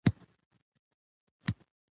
ځوانان د انرژۍ سرچینه دي.